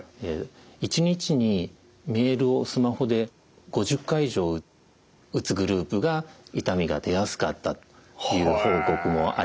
１日にメールをスマホで５０回以上打つグループが痛みが出やすかったという報告もあります。